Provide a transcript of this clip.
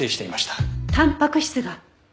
たんぱく質が？